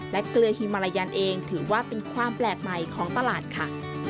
และเกลือฮิมาลายันเองถือว่าเป็นความแปลกใหม่ของตลาดค่ะ